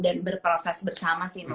dan berproses bersama sih